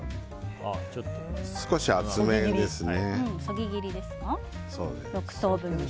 少し厚めですね。